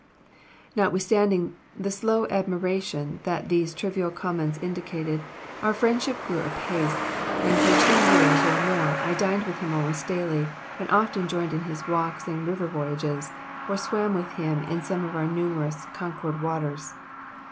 Notwithstanding the slow admiration that these trivial comments indicated, our friendship grew apace, and for two years or more I dined with him almost daily, and often joined in his walks and river voyages, or swam with him in some of our numerous Concord waters.